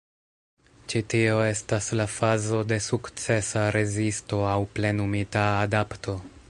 Ĉi tio estas la fazo de sukcesa rezisto aŭ „plenumita adapto.